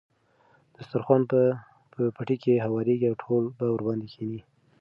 دسترخوان به په پټي کې هوارېږي او ټول به ورباندې کېني.